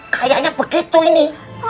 kayaknya begitu ini